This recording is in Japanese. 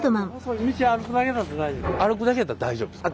歩くだけやったら大丈夫ですか？